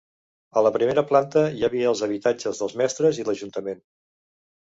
A la primera planta hi havia els habitatges dels mestres i l'ajuntament.